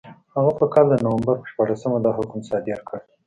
هغه په کال د نومبر په شپاړسمه دا حکم صادر کړ.